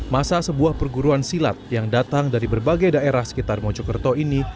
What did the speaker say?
masa sebuah perguruan silat yang datang dari berbagai daerah sekitar mojokerto ini